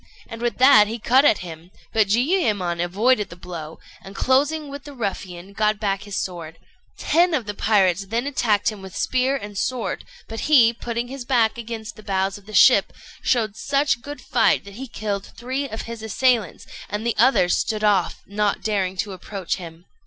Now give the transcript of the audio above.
and with that he cut at him; but Jiuyémon avoided the blow, and closing with the ruffian, got back his sword. Ten of the pirates then attacked him with spear and sword; but he, putting his back against the bows of the ship, showed such good fight that he killed three of his assailants, and the others stood off, not daring to approach him.